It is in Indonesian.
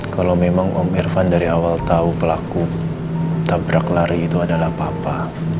kalau memang om irfan dari awal tahu pelaku tabrak lari itu adalah papa